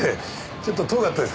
ちょっと遠かったですか？